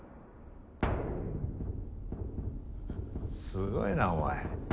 すごいなお前。